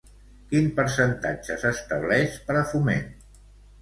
Quin percentatge s'estableix per a Foment?